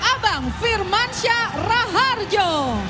abang firman syahra harjo